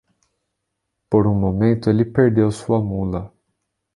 Por um momento ele perdeu sua mula.